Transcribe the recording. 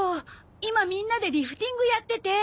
今みんなでリフティングやってて。